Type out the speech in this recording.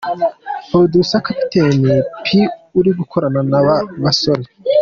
Producer Captain P uri gukorana naba basore.